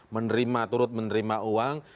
menerima turut menerima uang